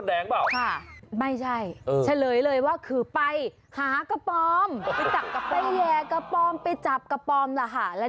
อุปกรณ์พร้อมสับเลยนะฮะในปลายของไม้เนี่ยจะมีบวกเล็กอยู่